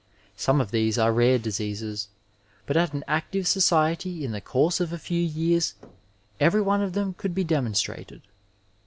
Some of these are rare diseases, but at an active society in the courseof a few years every one of them could be demonstrated.